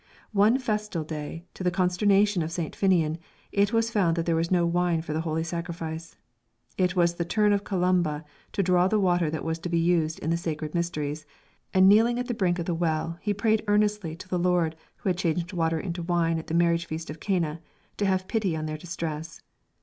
One festival day, to the consternation of St. Finnian, it was found that there was no wine for the Holy Sacrifice. It was the turn of Columba to draw the water that was to be used in the sacred mysteries, and kneeling at the brink of the well he prayed earnestly to that Lord who had changed water into wine at the marriage feast of Cana to have pity on their distress.